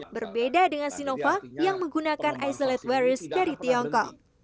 berbeda dengan sinovac yang menggunakan isolated virus dari tiongkok